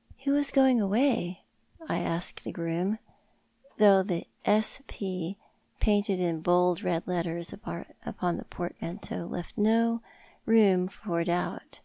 '' Who is going away ?" I asked the groom, though the S. P. painted in bold red letters upon the portmanteau left no room for doubt.